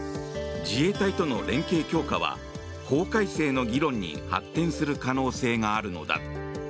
自衛隊との連携強化は法改正の議論に発展する可能性があるのだ。